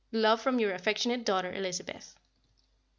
Love from your affectionate daughter, Elizabeth.